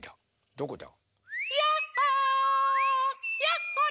どこだ？